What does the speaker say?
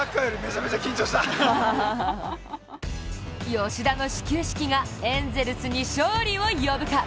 吉田の始球式がエンゼルスに勝利を呼ぶか。